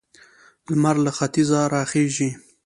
لمر له ختیځه راخيژي.